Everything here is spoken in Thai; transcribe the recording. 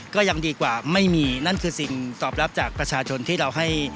ก็ยังดีกว่าไม่มีนั่นคือสิ่งตอบรับจากประชาชนที่เราให้